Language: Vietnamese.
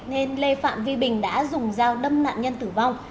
nên lê phạm vi bình đã dùng dao đâm nạn nhân tử vong